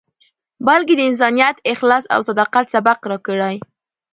بلکې د انسانیت، اخلاص او صداقت، سبق راکړی.